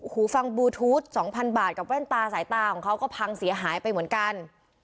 หูฟังบลูทูธ๒๐๐บาทกับแว่นตาสายตาของเขาก็พังเสียหายไปเหมือนกัน